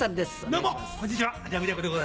どうも。